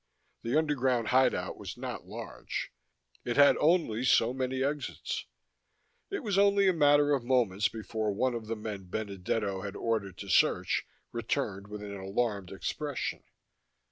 The underground hideout was not large; it had only so many exits. It was only a matter of moments before one of the men Benedetto had ordered to search returned with an alarmed expression.